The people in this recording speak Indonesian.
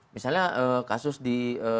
misalnya kasus di